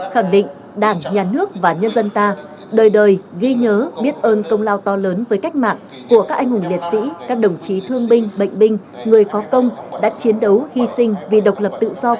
khẳng định đảng nhà nước và nhân dân ta đời đời ghi nhớ biết ơn công lao to lớn với cách mạng của các anh hùng liệt sĩ các đồng chí thương binh bệnh binh người có công đã chiến đấu hy sinh vì độc lập tự do